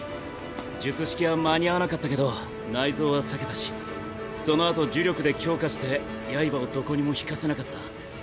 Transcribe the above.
術式は間に合わなかったけど内臓は避けたしそのあと呪力で強化して刃をどこにも引かせなかった。